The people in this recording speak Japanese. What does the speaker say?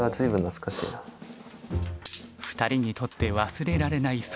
２人にとって忘れられない